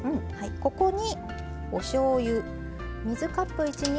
ここにおしょうゆ。